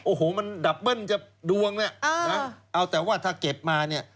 โอ้โหมันดับเบิ้ลจะดวงเนี่ยนะเอาแต่ว่าถ้าเก็บมาเนี่ย